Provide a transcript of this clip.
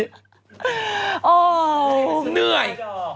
เหนื่อย